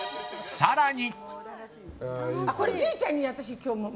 更に。